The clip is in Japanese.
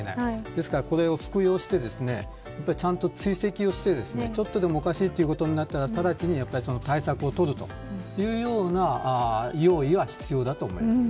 ですから、これを服用してちゃんと追跡をしてちょっとでもおかしいということになったら直ちに対策を取るというような用意は必要だと思います。